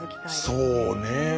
そうね。